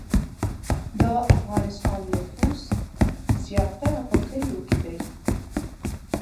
د افغانستان نفوس زیاتره په کلیو کې دی